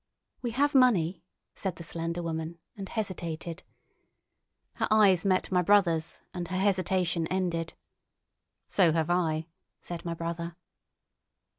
"We have money," said the slender woman, and hesitated. Her eyes met my brother's, and her hesitation ended. "So have I," said my brother.